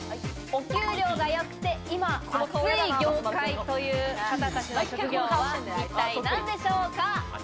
お給料がよくて、今熱い業界という方たちの職業は一体何でしょうか？